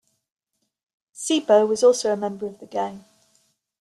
C-Bo was also a member of the gang.